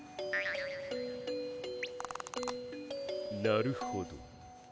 なるほど。